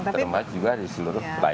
terutama juga di seluruh lainnya